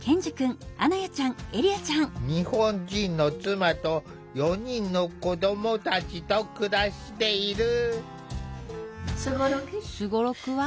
日本人の妻と４人の子どもたちと暮らしている。